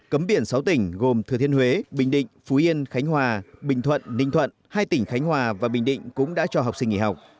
cấm biển sáu tỉnh gồm thừa thiên huế bình định phú yên khánh hòa bình thuận ninh thuận hai tỉnh khánh hòa và bình định cũng đã cho học sinh nghỉ học